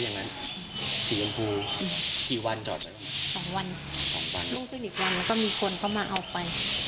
๒วันลุ่มขึ้นอีกวันแล้วก็มีคนเข้ามาเอาไป